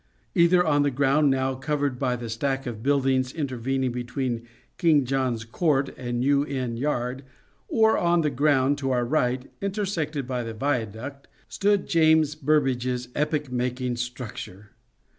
Either on the ground now covered by the stack of buildings intervening between King John's Court and New Inn Yard, or on the ground to our right intersected by the viaduct stood James Burbage's epoch making structure.